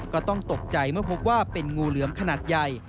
ก็ต้องตกใจเมื่อพบว่าเป็นงูเหลือมขนาดใหญ่